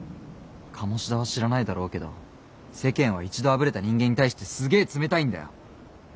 鴨志田は知らないだろうけど世間は一度あぶれた人間に対してすげえ冷たいんだよ。